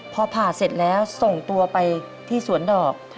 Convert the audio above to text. พอผ่าเสร็จแล้วส่งตัวไปที่สวนดอก